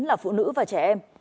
là phụ nữ và trẻ em